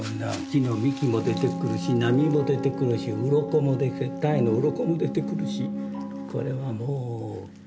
木の幹も出てくるし波も出てくるしウロコもウロコも出てくるしこれはもう。